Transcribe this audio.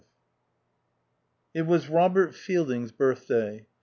v It was Robert Fielding's birthday.